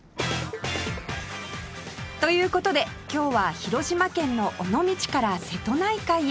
という事で今日は広島県の尾道から瀬戸内海へ